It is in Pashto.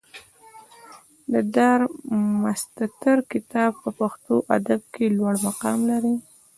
د ډارمستتر کتاب په پښتو ادب کښي لوړ مقام لري.